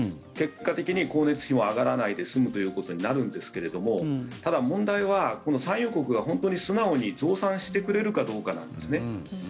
結果的に光熱費も上がらないで済むということになるんですけれどもただ、問題は産油国が本当に素直に増産してくれるかどうかなんですね。